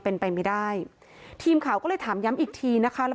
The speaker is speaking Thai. เพื่อนในหัดใหญ่ที่คบกันมาเนี่ยยันว่าผมจะไปเรียกชาย๑๔คนได้ยังไง